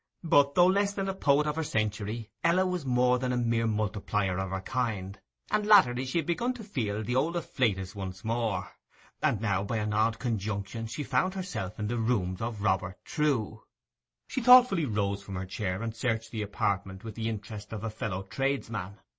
But, though less than a poet of her century, Ella was more than a mere multiplier of her kind, and latterly she had begun to feel the old afflatus once more. And now by an odd conjunction she found herself in the rooms of Robert Trewe. She thoughtfully rose from her chair and searched the apartment with the interest of a fellow tradesman.